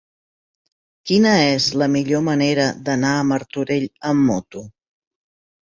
Quina és la millor manera d'anar a Martorell amb moto?